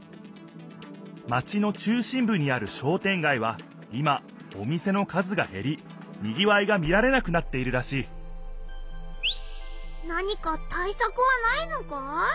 マチの中心ぶにある商店街は今お店の数がへりにぎわいが見られなくなっているらしい何かたいさくはないのか？